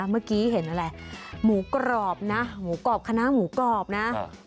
ผมเมื่อกี้เห็นมูกกรอบมูกรอบคณะมูกรอบนะ